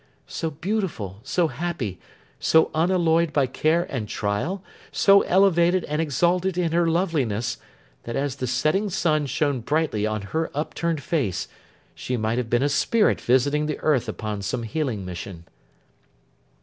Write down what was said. So beautiful, so happy, so unalloyed by care and trial, so elevated and exalted in her loveliness, that as the setting sun shone brightly on her upturned face, she might have been a spirit visiting the earth upon some healing mission.